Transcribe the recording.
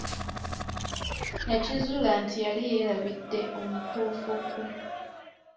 Yakizuula nti yali yeerabbidde omukuufu gwe!